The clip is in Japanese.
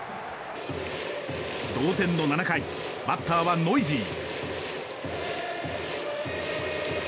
同点の７回バッターはノイジー。